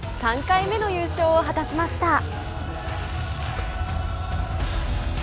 ３回目の優勝を果たしました。